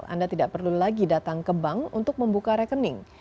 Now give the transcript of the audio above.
anda tidak perlu lagi datang ke bank untuk membuka rekening